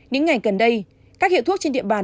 những ngày gần đây các hiệu thuốc trên địa bàn